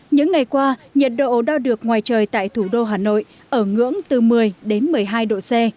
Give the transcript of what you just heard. những ngày qua nhiệt độ đo được ngoài trời tại thủ đô hà nội ở ngưỡng từ một mươi đến một mươi hai độ c